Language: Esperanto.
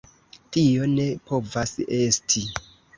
Tio ne povas esti.